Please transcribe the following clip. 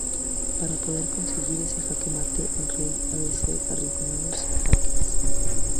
Para poder conseguir el jaque mate el rey ha de ser arrinconado sin jaques.